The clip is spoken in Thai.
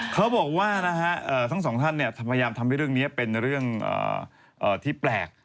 เขาบอกว่าทั้งสองท่านพยายามทำให้เรื่องนี้เป็นเรื่องที่แปลก